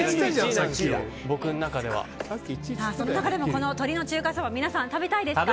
その中でも鶏の中華そば皆さん食べたいですか？